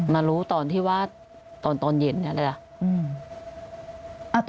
มารู้ตอนที่ว่าตอนเย็นนี่แหละ